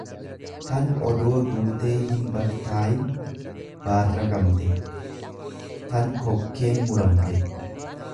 tan odoo duutee hinbaktaayin baarrakamte, tan kokkeen muramte.